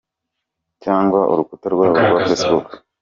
com cyangwa urukuta rwabo rwa facebook: .